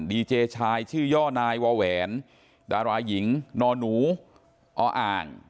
ดีเจชายชื่อย่อนายวาแหวนดาราหญิงนหนูออ่าง